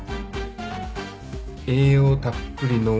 栄養たっぷりの。